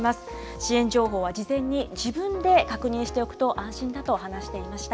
支援情報は事前に自分で確認しておくと安心だと話していました。